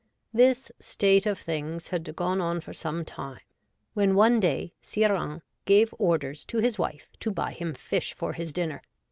This state of things had gone on for some time, when one day Sire Hains gave orders to his wife to buy him fish for his dinner.